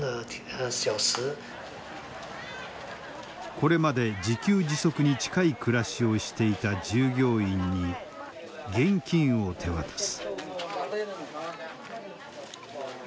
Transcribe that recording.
これまで自給自足に近い暮らしをしていた従業員に現金を手渡す。